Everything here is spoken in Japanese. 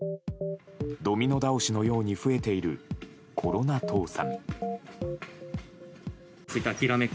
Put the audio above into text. ドミノ倒しのように増えているコロナ倒産。